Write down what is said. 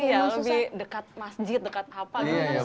iya lebih dekat masjid dekat apa gitu